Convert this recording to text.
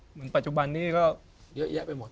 เหมือนปัจจุบันนี้ก็เยอะแยะไปหมด